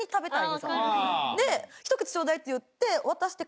ひと口ちょうだいって言って渡して。